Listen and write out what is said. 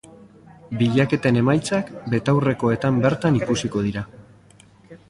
Bilaketen emaitzak betaurrekoetan bertan ikusiko dira.